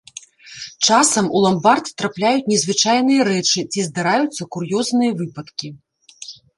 Часам у ламбард трапляюць незвычайныя рэчы ці здараюцца кур'ёзныя выпадкі.